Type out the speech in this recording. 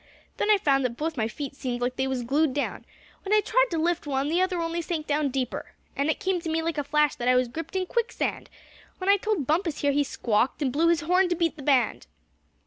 Then I found that both my feet seemed like they was glued down. When I tried to lift one, the other only sank down deeper. And it came to me like a flash that I was gripped in quicksand. When I told Bumpus here he squawked, and blew his horn to beat the band."